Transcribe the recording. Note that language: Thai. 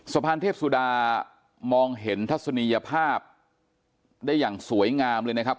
เทพสุดามองเห็นทัศนียภาพได้อย่างสวยงามเลยนะครับ